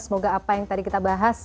semoga apa yang tadi kita bahas